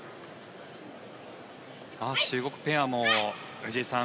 中国ペアも藤井さん